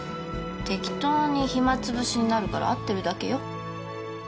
適当に暇つぶしになるから会ってるだけよ。